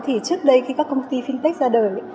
thì trước đây khi các công ty fintech ra đời